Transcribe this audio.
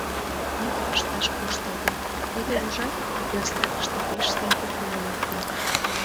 — Тидым ышташ куштылго: теве ужат — верстакыште пеш сай пу комыля кия.